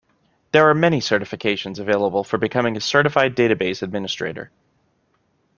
There are many certifications available for becoming a certified database administrator.